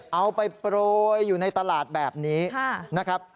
เอาไปโปรยอยู่ในตลาดแบบนี้นะครับ